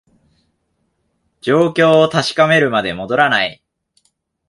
状況を確かめるまで戻らない